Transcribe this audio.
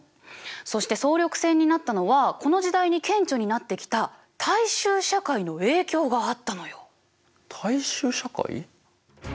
そして総力戦になったのはこの時代に顕著になってきた大衆社会の影響があったのよ。